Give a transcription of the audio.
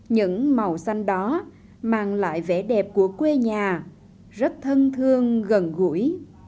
những màu xanh đó mang lại vẻ đẹp của quê nhà rất thân thương gần gũi